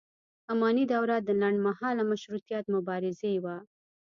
اماني دوره د لنډ مهاله مشروطیت مبارزې وه.